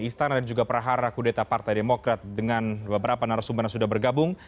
istana dan juga prahara kudeta partai demokrat dengan beberapa narasumber yang sudah bergabung